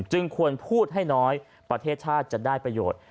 จึงควรพูดให้น้อยประเทศชาติจะได้ประโยชน์